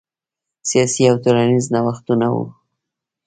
سیاسي او ټولنیز نوښتونه وو.